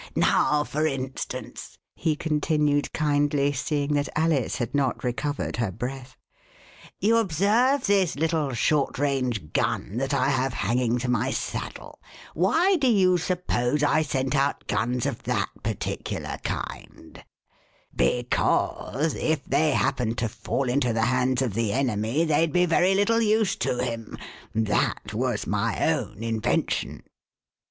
Now, for instance," he continued kindly, seeing that Alice had not recovered her breath, you observe this little short range gun that I have hanging to my saddle "i Why do you suppose I sent out guns of that particular kind } Because if they happened to fall into the hands of the enemy they'd be very little use to him. That was my own invention."